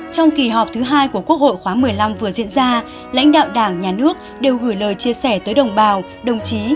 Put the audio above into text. trong kỳ họp thứ hai của quốc hội khóa một mươi năm vừa diễn ra lãnh đạo đảng nhà nước đều gửi lời chia sẻ tới đồng bào đồng chí